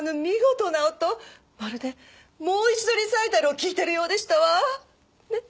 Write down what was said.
まるでもう一度リサイタルを聴いているようでしたわ。ね？